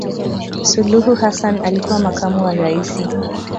suluhu hassan alikuwa makamu wa raisi